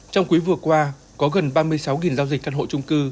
trong quý vừa qua có gần ba mươi sáu giao dịch căn hộ trung cư